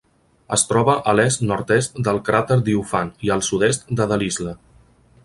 Es troba a l'est-nord-est del cràter Diofant i al sud-est de Delisle.